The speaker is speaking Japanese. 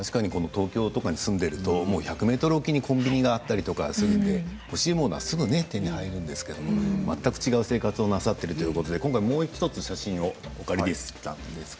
東京に住んでいると１００ｍおきにコンビニがあったりして欲しいものがすぐ手に入りますけど全く違う生活をなさっているということでもう１つ写真をお借りしています。